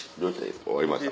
終わりました？